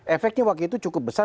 efeknya waktu itu cukup besar